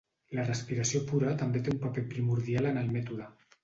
La respiració pura també té un paper primordial en el mètode.